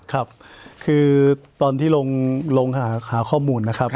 ครับคือตอนที่ลงหาข้อมูลนะครับ